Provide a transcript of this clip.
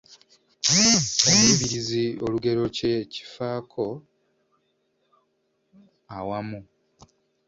Omuluubirizi olugero kye kifaako awamu